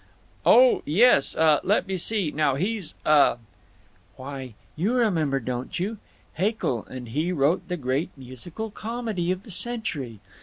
"Oh yes—uh—let me see now; he's—uh—" "Why, you remember, don't you? Haeckel and he wrote the great musical comedy of the century.